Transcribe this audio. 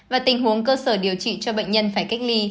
và tình huống cơ sở điều trị cho bệnh nhân phải cách ly